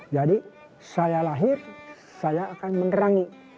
jadi saya lahir saya akan menerangi